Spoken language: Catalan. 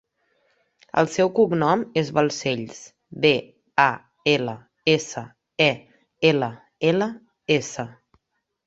El seu cognom és Balsells: be, a, ela, essa, e, ela, ela, essa.